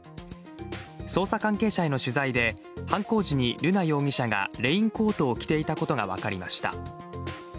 捜査関係者への取材で犯行時に瑠奈容疑者がレインコートを着ていたことが分かりました。